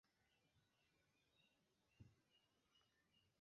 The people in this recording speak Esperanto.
En la fasado meze la kvadrata turo plene reliefas.